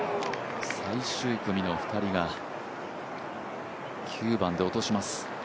最終組の２人が９番で落とします。